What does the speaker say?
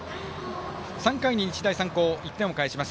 ３回に日大三高、１点を返します。